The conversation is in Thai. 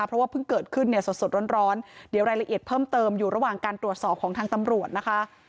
เพราะว่าเพิ่งเกิดขึ้นเนี่ยสดร้อนเดี๋ยวรายละเอียดเพิ่มเติมอยู่ระหว่างการตรวจสอบของทางตำรวจนะคะ